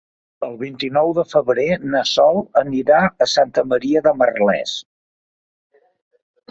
El vint-i-nou de febrer na Sol anirà a Santa Maria de Merlès.